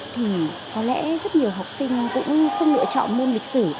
thì có lẽ rất nhiều học sinh cũng không lựa chọn môn lịch sử